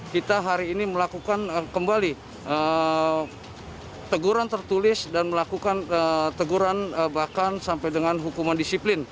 kita hari ini melakukan kembali teguran tertulis dan melakukan teguran bahkan sampai dengan hukuman disiplin